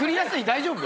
大丈夫？